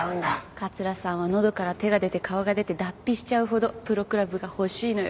桂さんは喉から手が出て顔が出て脱皮しちゃうほどプロクラブが欲しいのよ。